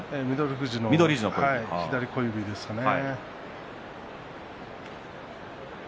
富士の左小指ですかね。